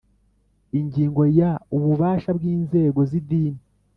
Ingingo ya ububasha bw inzego z idini